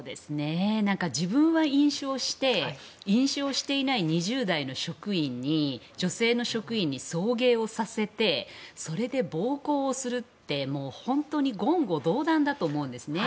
自分は飲酒をして飲酒をしていない２０代の職員に女性の職員に送迎をさせてそれで暴行をするって本当に言語道断だと思うんですね。